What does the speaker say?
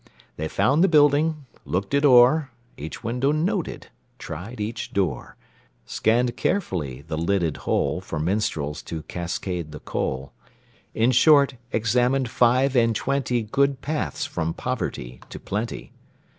They found the building, looked it o'er, Each window noted, tried each door, Scanned carefully the lidded hole For minstrels to cascade the coal In short, examined five and twenty Good paths from poverty to plenty.